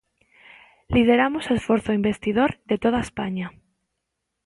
Lideramos o esforzo investidor de toda España.